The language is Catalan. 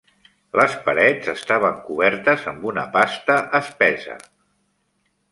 Les parets estaven cobertes amb una pasta espessa.